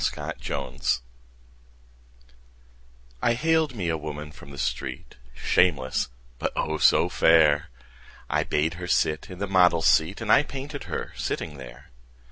My Madonna I haled me a woman from the street, Shameless, but, oh, so fair! I bade her sit in the model's seat And I painted her sitting there.